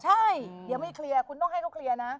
ใช่เดี๋ยวไม่เคลียร์คุณต้องให้เขาเคลียร์นะ